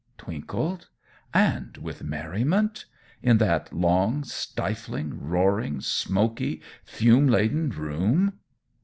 Twinkled? and with merriment? in that long, stifling, roaring, smoky, fume laden room?